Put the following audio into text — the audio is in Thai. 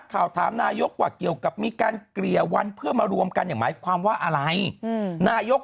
ชอบไปชอบเดินทาง